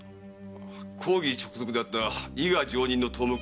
公儀直属であった伊賀上忍の頭目・服部半蔵